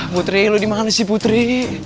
putri lu dimana sih putri